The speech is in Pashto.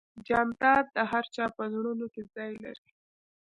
جانداد د هر چا په زړونو کې ځای لري.